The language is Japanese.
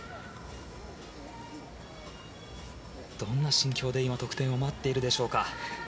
どんな心境で得点を待っているでしょうか。